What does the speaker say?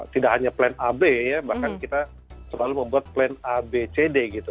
tidak hanya plan a b ya bahkan kita selalu membuat plan a b c d gitu